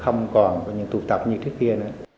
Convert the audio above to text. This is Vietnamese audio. không còn những tụ tập như trước kia nữa